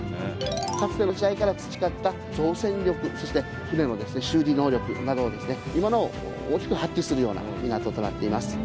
かつての時代から培った造船力そして船の修理能力などを今なお大きく発揮するような港となっています。